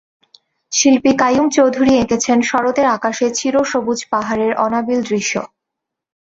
শিল্পী কাইয়ুম চৌধুরী এঁকেছেন শরতের আকাশে চির সবুজ পাহাড়ের অনাবিল দৃশ্য।